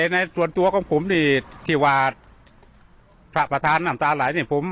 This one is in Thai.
ในส่วนตัวของผมนี่ที่ว่าพระประธานน้ำตาไหลนี่ผม